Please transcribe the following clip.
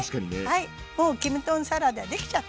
はいもうキム豚サラダ出来ちゃった！